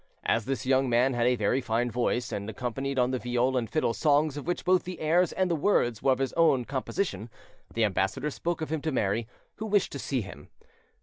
As this young man had a very fine voice, and accompanied on the viol and fiddle songs of which both the airs and the words were of his own composition, the ambassador spoke of him to Mary, who wished to see him.